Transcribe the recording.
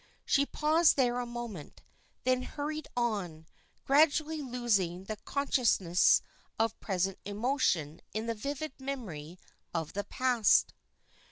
She paused there a moment, then hurried on, gradually losing the consciousness of present emotion in the vivid memory of the past.